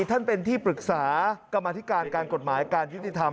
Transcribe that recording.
ท่านเป็นที่ปรึกษากรรมธิการการกฎหมายการยุติธรรม